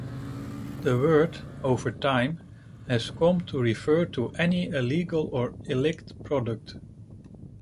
The word, over time, has come to refer to any illegal or illicit product.